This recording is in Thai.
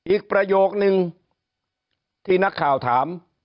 ประโยคนึงที่นักข่าวถาม